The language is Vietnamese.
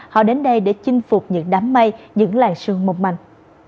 họ đến đây để chinh phục những đám mây những làng sương mộc mạnh